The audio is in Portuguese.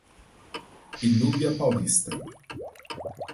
Inúbia Paulista